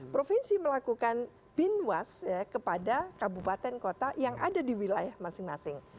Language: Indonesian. provinsi melakukan binwas kepada kabupaten kota yang ada di wilayah masing masing